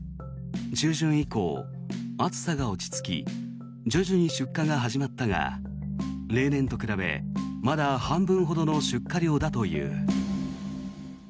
中旬以降、暑さが落ち着き徐々に出荷が始まったが例年と比べまだ半分ほどの出荷量だという。